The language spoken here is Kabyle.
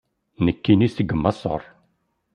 Nekkini seg maṣer.